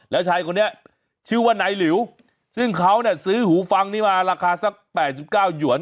แล้วชายคนนี้ชื่อว่านายหลิวซึ่งเขาเนี่ยซื้อหูฟังนี้มาราคาสัก๘๙หยวน